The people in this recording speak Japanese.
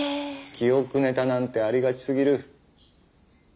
記憶ネタなんてありがちすぎる。